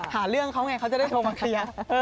หาเรื่องเขาไงเขาจะได้โทรมาเคลียร์